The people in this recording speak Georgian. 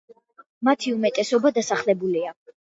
მათი უმეტესობა დასახლებულია.